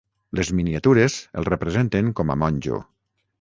Les miniatures el representen com a monjo.